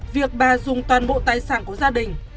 việc bà dùng toàn bộ tài sản của gia đình